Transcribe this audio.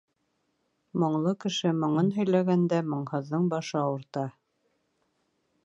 Моңло кеше моңон һөйләгәндә, моңһоҙҙоң башы ауырта.